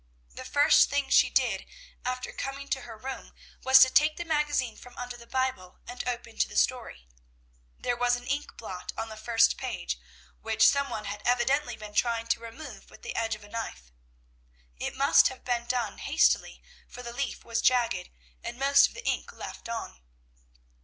The first thing she did after coming to her room was to take the magazine from under the Bible, and open to the story. There was an ink blot on the first page, which some one had evidently been trying to remove with the edge of a knife. It must have been done hastily, for the leaf was jagged, and most of the ink left on.